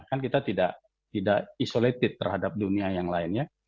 kan kita tidak isolated terhadap dunia yang lainnya